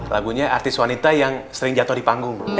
lagunya artis wanita yang sering jatuh di panggung